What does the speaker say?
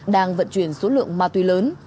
đang vận chuyển số lượng ma túy lớn